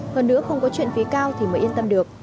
còn nữa không có chuyện phí cao thì mới yên tâm được